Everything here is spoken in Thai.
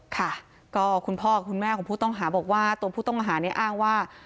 ค่ะก็คุณพ่อคุณแม่ของผู้ต้องหาบอกว่าตัวผู้ต้องหาเนี่ยอ้างว่า